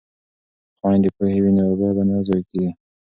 که خویندې پوهې وي نو اوبه به نه ضایع کوي.